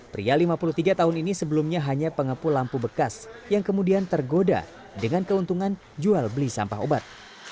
pria lima puluh tiga tahun ini sebelumnya hanya pengepul lampu bekas yang kemudian tergoda dengan keuntungan jual beli sampah obat